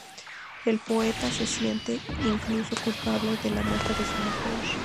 El poeta se siente, incluso, culpable de la muerte de su mujer.